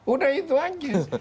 udah itu saja